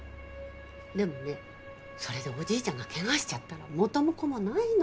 でもねそれでおじいちゃんがけがしちゃったら元も子もないの。